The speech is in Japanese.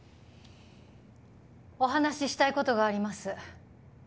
お話ししたい事があります。